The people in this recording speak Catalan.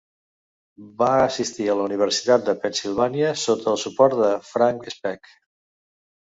Va assistir a la Universitat de Pennsylvania sota el suport de Frank Speck.